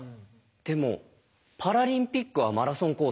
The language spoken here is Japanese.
でもパラリンピックはマラソンコース